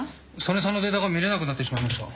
曽根さんのデータが見れなくなってしまいました。